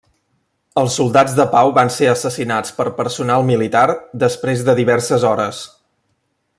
Els soldats de pau van ser assassinats per personal militar després de diverses hores.